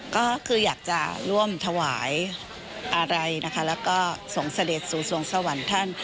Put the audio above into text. ก็คืออยากจะร่วมถวายอะไรนะคะแล้วก็ส่งเสด็จสู่สวงสวรรค์ท่าน